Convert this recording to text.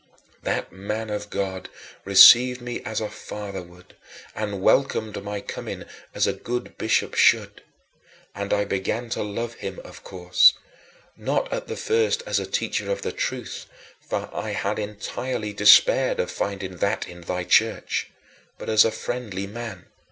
That man of God received me as a father would, and welcomed my coming as a good bishop should. And I began to love him, of course, not at the first as a teacher of the truth, for I had entirely despaired of finding that in thy Church but as a friendly man.